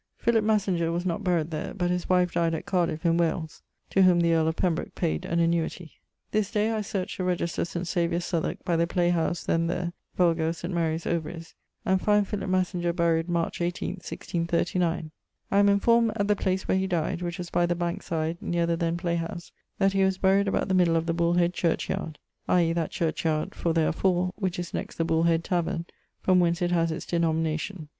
Philip Massinger was not buried there; but his wife dyed at Cardiffe in Wales, to whom the earl of Pembroke payd an annuity. This day I searched the register of St. Saviour's, Southwark, by the playhouse then there, vulgo St. Mary's Overy's; and find Philip Massinger buryed March 18th, 1639. I am enformed at the place where he dyed, which was by the Bankes side neer the then playhouse, that he was buryed about the middle of the Bullhead churchyard i.e. that churchyard (for there are four) which is next the Bullhead taverne, from whence it has its denomination.